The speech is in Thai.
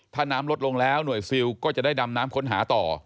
ถ้าน้ำลดลงแล้วหน่วยซิลก็จะได้ดำน้ำค้นหาต่อ